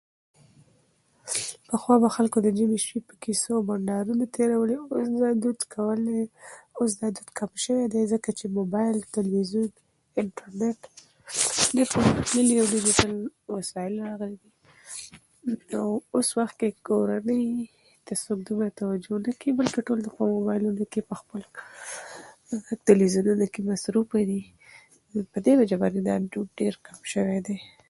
که وخت وي، نو وخت به تېر شي، خو که وخت نه وي، نو بيا هم وخت په خپل وخت تېرېږي.